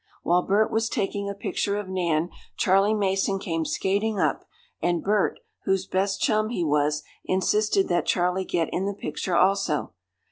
While Bert was taking a picture of Nan, Charley Mason came skating up, and Bert, whose best chum he was, insisted that Charley get in the picture also.